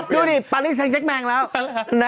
ดูดิปาริเซ็คแมงแล้วนะฮะ